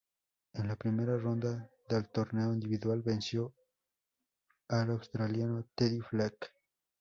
En la primera ronda del torneo individual, venció al australiano Teddy Flack.